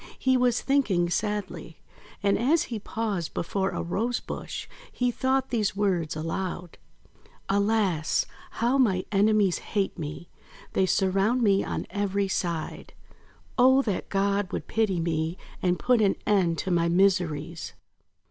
He was thinking sadly; and, as he paused before a Rose bush, he thought these words aloud: — "Alas! How my enemies hate me! They surround me on every side! Oh, that God would pity me, and put an end to my miseries!'